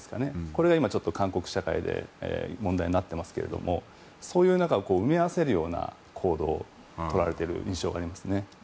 これが今、韓国社会で問題になっていますがそういうのを埋め合わせるような行動をとられている印象があります。